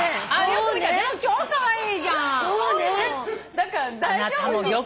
だから大丈夫よ。